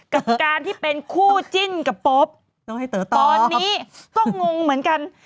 กับการที่เป็นคู่จิ้นกับโป๊ปตอนนี้ก็งงเหมือนกัน